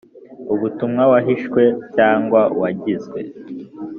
Ubutumwa wahishwe cyangwa wagizwe